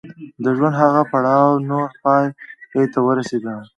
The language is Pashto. د ژوند هغه پړاو نور پای ته ورسېد.